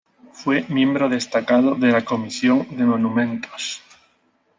Fue miembro destacado de la Comisión de Monumentos.